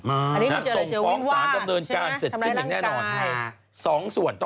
เมื่อเจออะไรจะวิ่งวาดพร้อมเลยส่องฝอกสารกำเนินส์การเสร็จชนิดหนึ่งแน่นอน